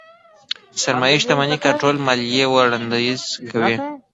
سرمايې شتمنۍ کنټرول ماليې وړانديز کوي.